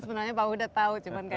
sebenarnya pak uda tahu cuma